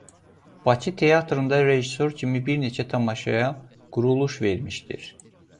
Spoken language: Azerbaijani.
Bakı Teatrında rejissor kimi bir neçə tamaşaya quruluş vermişdir.